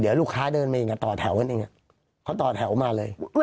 เดี๋ยวลูกค้าเดินไปต่อแถวเขาต่อแถวมาเลย